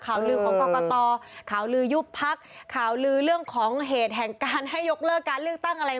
ข่าวลือของกรกตข่าวลือยุบพักข่าวลือเรื่องของเหตุแห่งการให้ยกเลิกการเลือกตั้งอะไร